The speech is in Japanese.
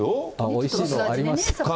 おいしいのもあります。